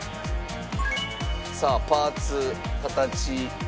さあパーツ形。